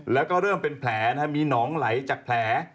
แล้วก็เริ่มเป็นแผลมีหนองไหลจากแผล